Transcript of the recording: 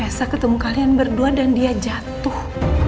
desa ketemu kalian berdua dan dia jatuh